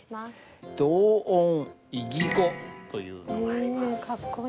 同音異義語というのがあります。